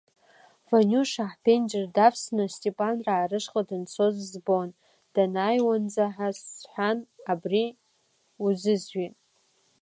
Ваниуша ҳԥенџьыр давсны Степанраа рышҟа данцоз збон, данааиуанӡа сҳәан абри узызҩит.